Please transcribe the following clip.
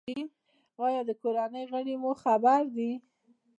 ایا د کورنۍ غړي مو خبر دي؟